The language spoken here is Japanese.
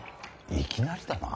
いきなりだな。